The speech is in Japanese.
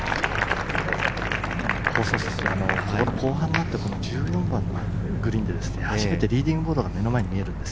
後半になって１４番のグリーンで初めてリーディングボードが目の前に見えたんです。